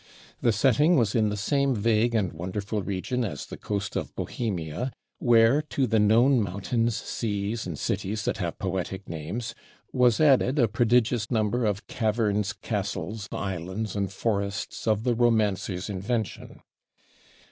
The setting was in the same vague and wonderful region as the Coast of Bohemia, where to the known mountains, seas, and cities that have poetic names, was added a prodigious number of caverns, castles, islands, and forests of the romancer's invention.